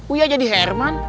uya jadi herman